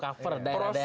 ya cover daerah